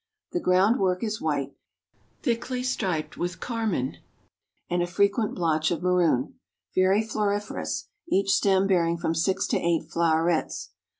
The ground work is white, thickly striped with carmine, and a frequent blotch of maroon; very floriferous, each stem bearing from six to eight flowerets.